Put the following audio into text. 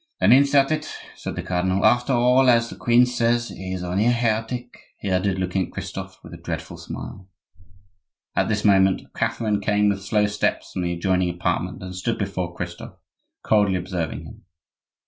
"Then insert it," said the cardinal. "After all, as the queen says, he is only a heretic," he added, looking at Christophe with a dreadful smile. At this moment Catherine came with slow steps from the adjoining apartment and stood before Christophe, coldly observing him.